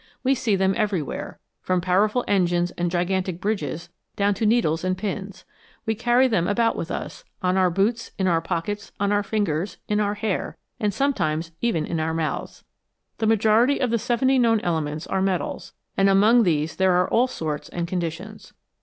We see them everywhere, from powerful engines and gigantic bridges down to needles and pins ; we cany them about with us, on our boots, in our pockets, on our fingers, in our hair, and sometimes even in our mouths. The majority of the seventy known elements are metals, and among these there are all sorts and conditions.